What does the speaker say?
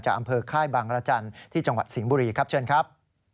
อำเภอค่ายบางรจันทร์ที่จังหวัดสิงห์บุรีครับเชิญครับ